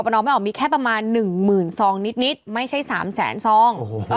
ตรวจสอบความถูกต้องของรหัสจัง